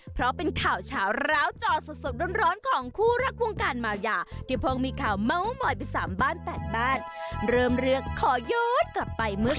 โปรดติดตามตอนต่อไป